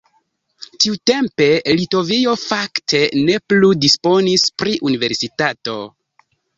Tiutempe Litovio fakte ne plu disponis pri universitato.